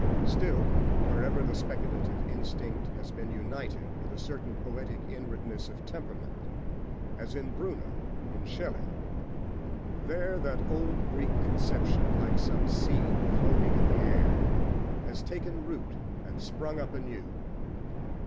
Still, wherever the speculative instinct has been united with a certain poetic inwardness of temperament, as in Bruno, in Schelling, there that old Greek conception, like some seed floating in the air, has taken root and sprung up anew.